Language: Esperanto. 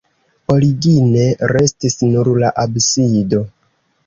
Origine restis nur la absido.